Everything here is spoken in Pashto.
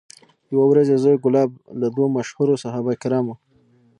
یوه ورځ یې زوی کلاب له دوو مشهورو صحابه کرامو